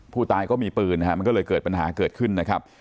ผู้ตายก็มีปืนนะฮะมันก็เลยเกิดปัญหาเกิดขึ้นนะครับ